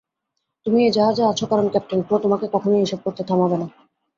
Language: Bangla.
তুমি এই জাহাজে আছো কারণ ক্যাপ্টেন ক্রো তোমাকে কখনোই এসব করতে থামাবে না।